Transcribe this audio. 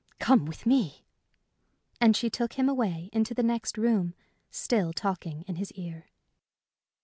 Come with me." And she took him away into the next room, still talking in his ear.